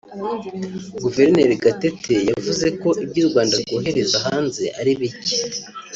Guverineri Gatete yavuze ko ibyo u Rwanda rwohereza hanze ari bike